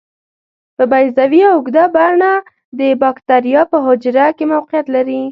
په بیضوي یا اوږده بڼه د باکتریا په حجره کې موقعیت لري.